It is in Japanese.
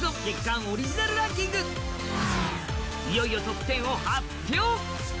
いよいよトップ１０を発表！